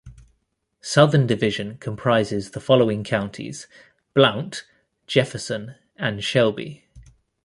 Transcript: Southern Division comprises the following counties: Blount, Jefferson, and Shelby.